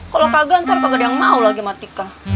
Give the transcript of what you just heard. kalau kagak ntar kagak ada yang mau lagi sama atika